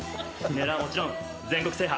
狙いはもちろん全国制覇。